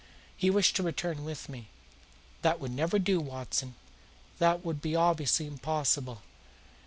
"He wished to return with me." "That would never do, Watson. That would be obviously impossible.